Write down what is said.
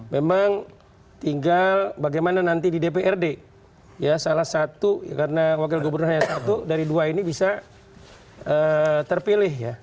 memang tinggal bagaimana nanti di dprd ya salah satu karena wakil gubernur hanya satu dari dua ini bisa terpilih ya